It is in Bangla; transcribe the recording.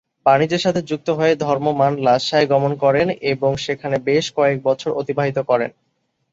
বাণিজ্যের সাথে যুক্ত হয়ে ধর্ম মান লাসায় গমন করেন এবং সেখানে বেশ কয়েক বছর অতিবাহিত করেন।